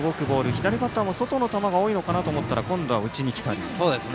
左バッターも外の球が多いのかなと思ったら今度は内に来たり。